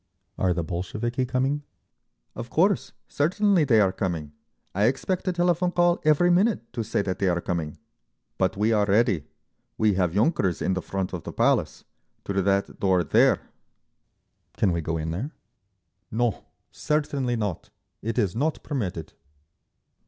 "Are the Bolsheviki coming?" "Of course. Certainly, they are coming. I expect a telephone call every minute to say that they are coming. But we are ready. We have yunkers in the front of the Palace. Through that door there." "Can we go in there?" "No. Certainly not. It is not permitted."